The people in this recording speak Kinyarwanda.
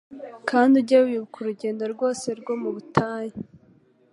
Kandi ujye wibuka urugendo rwose rwo mu butayu,